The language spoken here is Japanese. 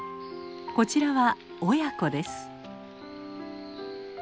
こちらは親子です。